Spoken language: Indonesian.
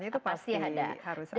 itu pasti harus ada